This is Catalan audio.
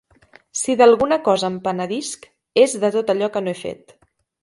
Si d'alguna cosa em penedisc és de tot allò que no he fet.